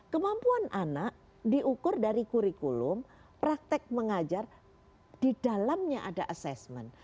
kemampuan anak diukur dari kurikulum praktek mengajar di dalamnya ada assessment